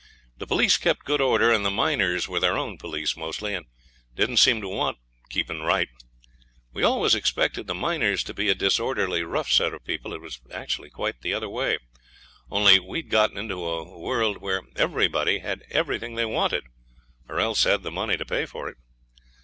The police kept good order, and the miners were their own police mostly, and didn't seem to want keeping right. We always expected the miners to be a disorderly, rough set of people it was quite the other way. Only we had got into a world where everybody had everything they wanted, or else had the money to pay for it.